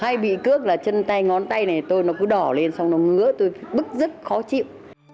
ai bị cướp là chân tay ngón tay này tôi nó cứ đỏ lên xong nó ngứa tôi bức rất khó chịu